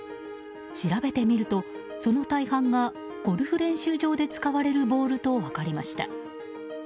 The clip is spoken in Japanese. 調べてみると、その大半がゴルフ練習場で使われるボールと分かりました。